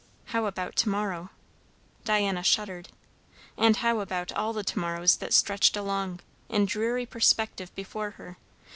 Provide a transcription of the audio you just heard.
How about to morrow? Diana shuddered. And how about all the to morrows that stretched along in dreary perspective before her?